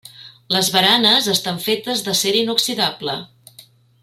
Les baranes estan fetes d'acer inoxidable.